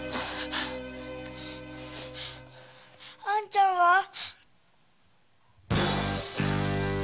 あんちゃんは？